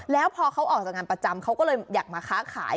แล้วพอเขาออกจากงานประจำเขาก็เลยอยากมาค้าขาย